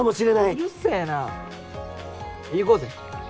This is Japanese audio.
うるせぇな行こうぜ。